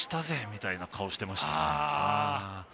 みたいな顔をしていましたね。